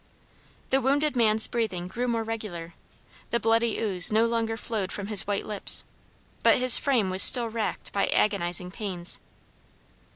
The wounded man's breathing grew more regular, the bloody ooze no longer flowed from his white lips, but his frame was still racked by agonizing pains.